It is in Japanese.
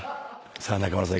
さあ中村さん